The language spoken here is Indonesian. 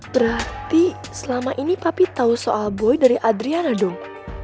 berarti selama ini papi tahu soal boy dari adriana dong